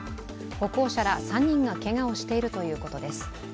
歩行者ら３人がけがをしているということです。